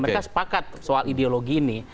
mereka sepakat soal ideologi ini